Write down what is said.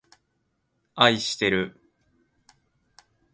あいしてる